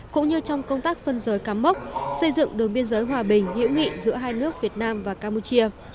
cũng như trong công tác phân giới campuchia xây dựng đường biên giới hòa bình hiệu nghị giữa hai nước việt nam và campuchia